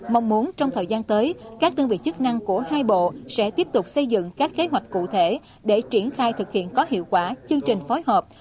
mong muốn trong thời gian tới các đơn vị chức năng của hai bộ sẽ tiếp tục xây dựng các kế hoạch cụ thể để triển khai thực hiện có hiệu quả chương trình phối hợp